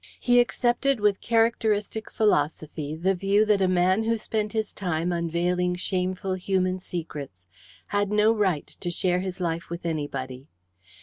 He accepted with characteristic philosophy the view that a man who spent his time unveiling shameful human secrets had no right to share his life with anybody.